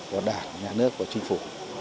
của đảng nhà nước của chính phủ